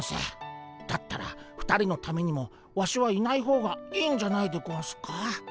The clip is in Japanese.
だったら２人のためにもワシはいない方がいいんじゃないでゴンスか？